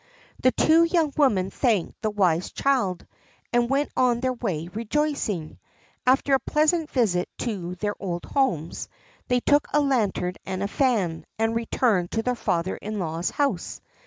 The two young women thanked the wise child, and went on their way rejoicing. After a pleasant visit to their old homes, they took a lantern and a fan, and returned to their father in law's house.